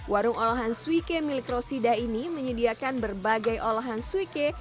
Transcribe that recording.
warung olahan suike milik rosida ini menyediakan berbagai olahan suike